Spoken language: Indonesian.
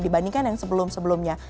ini kan yang sebelum sebelumnya